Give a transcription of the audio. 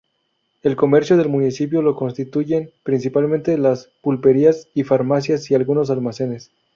El comercio del municipio lo constituyen principalmente las pulperías y farmacias y algunos almacenes.